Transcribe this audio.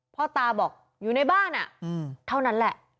พ่อตาบอกอยู่ในบ้านเท่านั้นแหละ